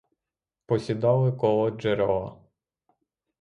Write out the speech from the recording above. Посідали коло джерела.